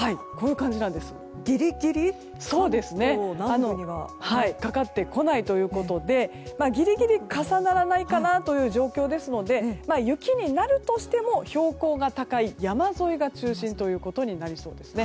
関東などにはかかってこないということでギリギリ重ならない状況ですので雪になるとしても標高が高い山沿いが中心となってきそうなんですね。